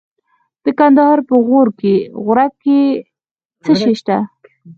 د کندهار په غورک کې څه شی شته؟